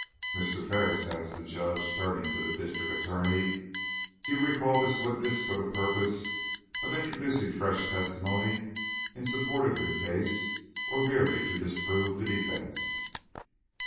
"Mr. Ferris," asked the Judge, turning to the District Attorney, "do you recall this witness for the purpose of introducing fresh testimony in support of your case or merely to disprove the defence?"